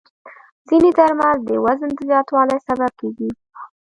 ځینې درمل د وزن د زیاتوالي سبب کېږي.